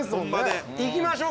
行きましょうか。